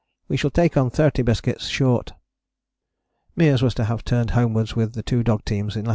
We shall take on thirty biscuits short." Meares was to have turned homewards with the two dog teams in lat.